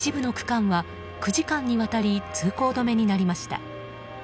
この影響で中央道の一部の区間は９時間にわたり通行止めになりました。